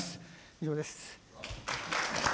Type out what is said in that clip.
以上です。